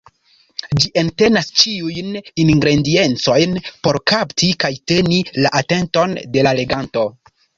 Ĝi entenas ĉiujn ingrediencojn por kapti kaj teni la atenton de la leganto.